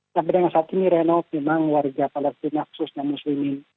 sampai dengan saat ini renov memang warga palestina khususnya muslimin